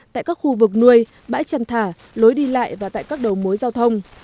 tại các khu vực nuôi bãi chăn thả lối đi lại và tại các đầu mối giao thông